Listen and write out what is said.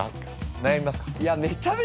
悩みますか？